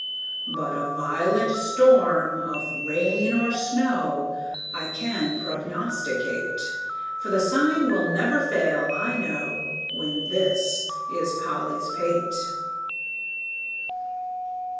But a violent storm of rain or snow I can prognosticate, For the sign will never fail, I know, When this is Polly's pate.